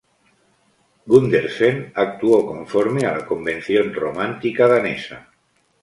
Gundersen actuó conforme a la convención romántica danesa.